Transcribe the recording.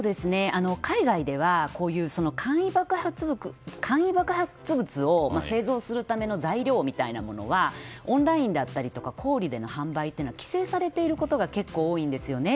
海外ではこういう簡易爆発物を製造するための材料みたいなものはオンラインだったりとか小売での販売っていうのは規制されていることが結構多いんですよね。